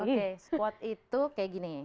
oke squad itu kayak gini